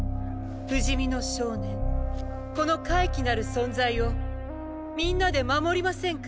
不死身の少年この怪奇なる存在を皆で守りませんか？